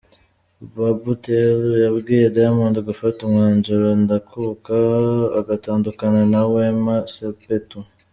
Babu Tale yabwiye Diamond gufata umwanzuro ndakuka agatandukana na Wema Sepetu.